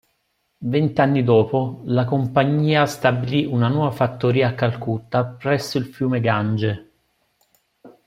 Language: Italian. Vent'anni dopo, la Compagnia stabilì una nuova fattoria a Calcutta presso il fiume Gange.